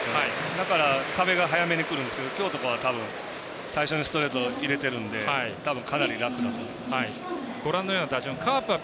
だから壁が早めにくるんですけど今日とかは多分最初にストレート入れてるんでかなり楽だと思います。